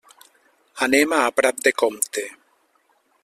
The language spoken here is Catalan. Anem a Prat de Comte.